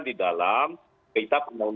di dalam kita penyelenggaraan